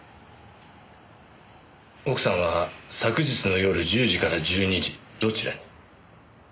奥さんは昨日の夜１０時から１２時どちらに？